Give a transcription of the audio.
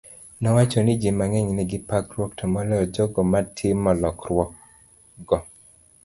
owacho ni ji mang'eny nigi parruok, to moloyo jogo matimo lokruokgo.